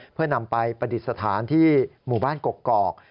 เพื่อนำไปประดิษฐานที่หมู่บ้านกกอก